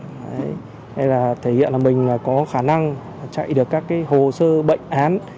hay là thể hiện là mình có khả năng chạy được các cái hồ sơ bệnh án